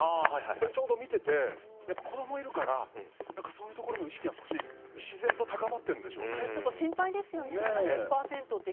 それをちょうど見てて子供がいるのでそういうところの意識が自然と高まっているんでしょうね。